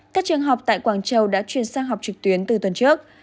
các trường học tại quảng châu đã chuyển sang học trực tuyến từ tuần trước